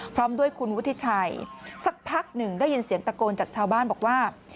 พร้อมด้วยคุณวุฒิชัยสักพักหนึ่งได้ยินเสียงตะโกนจากชาวบ้านบอกว่า